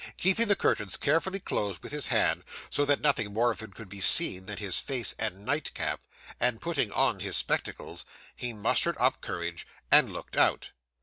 Keeping the curtains carefully closed with his hand, so that nothing more of him could be seen than his face and nightcap, and putting on his spectacles, he mustered up courage and looked out.